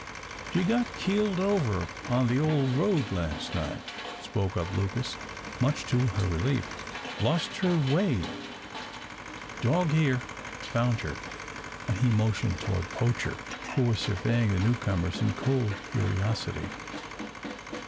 "She got keeled over on the old road last night," spoke up Lucas, much to her relief. "Lost her way. Dog here, found her," and he motioned toward Poacher, who was surveying the newcomers in cold curiosity.